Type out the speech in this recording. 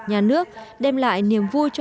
nhà nước đem lại niềm vui cho